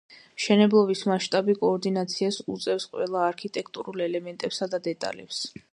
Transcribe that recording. მშენებლობის მასშტაბი კოორდინაციას უწევს ყველა არქიტექტურულ ელემენტებსა და დეტალებს.